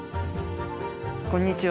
こんにちは。